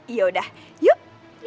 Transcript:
ya udah yuk